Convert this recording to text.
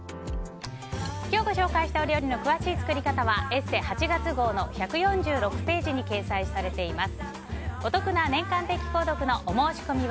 今日ご紹介したお料理の詳しい作り方は「ＥＳＳＥ」８月号の１４６ページに掲載されています。